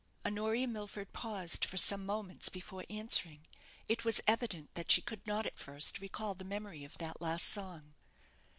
Honoria Milford paused for some moments before answering It was evident that she could not at first recall the memory of that last song.